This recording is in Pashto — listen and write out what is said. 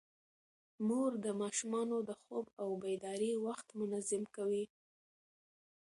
مور د ماشومانو د خوب او بیدارۍ وخت منظم کوي.